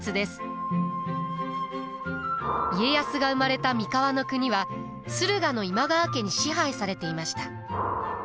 家康が生まれた三河国は駿河の今川家に支配されていました。